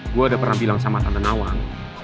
gue udah pernah bilang sama tante nawang